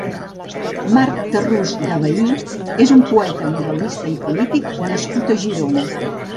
Marc Tarrús de Vehí és un poeta, novel·lista i polític nascut a Girona.